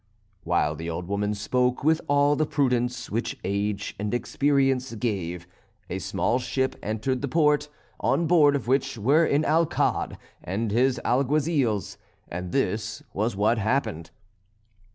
While the old woman spoke with all the prudence which age and experience gave, a small ship entered the port on board of which were an Alcalde and his alguazils, and this was what had happened.